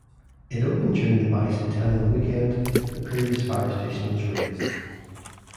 It opened during the bicentennial weekend; the previous fire station was razed.